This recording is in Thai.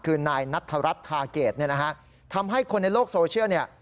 คือนายนัทธารัฐทาเกดทำให้คนในโลกโซเชียล